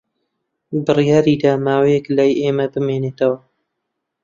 بڕیاری دا ماوەیەک لای ئێمە بمێنێتەوە.